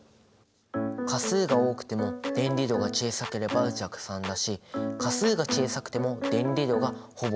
価数が多くても電離度が小さければ弱酸だし価数が小さくても電離度がほぼ１なら強酸。